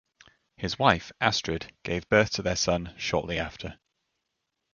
His wife, Astrid gave birth to their son shortly after.